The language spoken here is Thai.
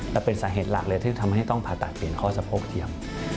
และเป็นสาเหตุหลักเลยที่ทำให้ต้องผ่าตัดเปลี่ยนข้อสะโพกเทียม